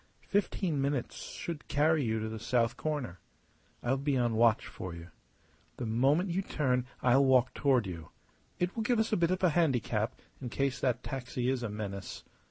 Fifteen minutes should carry you to the south corner. I'll be on watch for you. The moment you turn I'll walk toward you. It will give us a bit of a handicap in case that taxi is a menace.